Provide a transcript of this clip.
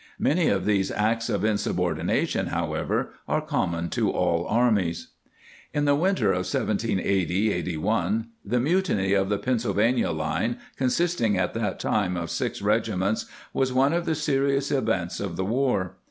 * Many of these acts of insubordination, however, are common to all armies. In the winter of 1780 81, the mutiny of the Pennsylvania line, consisting at that time of six regiments, was one of the serious events of the war.